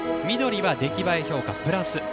緑は出来栄え評価プラス。